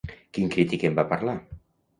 Quin crític en va parlar?